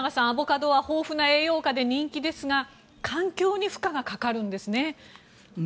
アボカドは豊富な栄養価で人気ですが環境に負荷がかかるんですね。